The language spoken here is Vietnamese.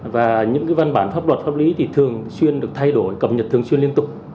và những văn bản pháp luật pháp lý thì thường xuyên được thay đổi cập nhật thường xuyên liên tục